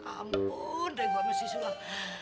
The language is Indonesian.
ampun deh mbak mesih sulam